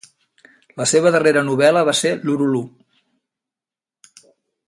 La seva darrera novel·la va ser "Lurulu".